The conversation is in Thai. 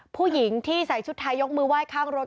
ผู้หญิงที่ใส่ชุดไทยยกมือไหว้ข้างรถ